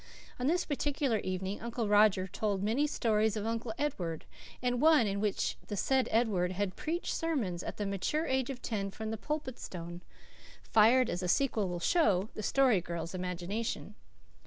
On this particular evening Uncle Roger told many stories of Uncle Edward, and one in which the said Edward had preached sermons at the mature age of ten from the Pulpit Stone fired, as the sequel will show, the Story Girl's imagination.